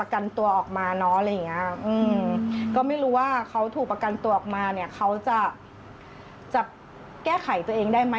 ก็ไม่รู้ว่าเขาถูกประกันตัวออกมาเขาจะแก้ไขตัวเองได้ไหม